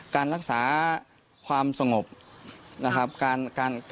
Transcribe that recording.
การรักษาความสงบนะครับ